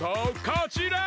こちら！